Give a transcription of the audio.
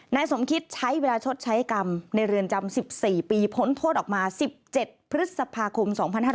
นายสมคิตใช้เวลาชดใช้กรรมในเรือนจำ๑๔ปีพ้นโทษออกมา๑๗พฤษภาคม๒๕๕๙